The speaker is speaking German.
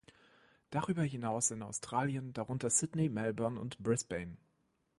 Darüber hinaus in Australien, darunter Sydney, Melbourne und Brisbane.